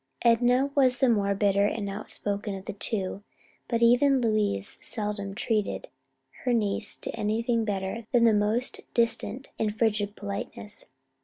Enna was the more bitter and outspoken of the two, but even Louise seldom treated her niece to anything better than the most distant and frigid politeness.